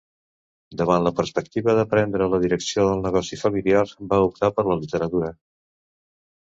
Davant la perspectiva de prendre la direcció del negoci familiar, va optar per la literatura.